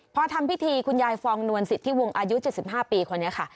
พอทำพิธีคุณยายฟองนวลสิทธิวงอายุ๗๕ปีคนนี้ค่ะ